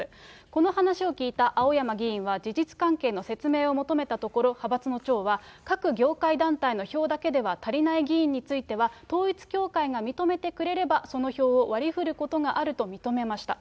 この話を聞いた青山議員は、事実関係の説明を求めたところ、派閥の長は、各業界団体の票だけでは足りない議員については、統一教会が認めてくれれば、その票を割りふることがあると認めました。